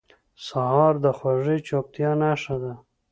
سهار د خوږې چوپتیا نښه ده.